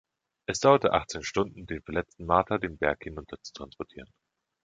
Es dauerte achtzehn Stunden den verletzten Mata den Berg hinunter zu transportieren.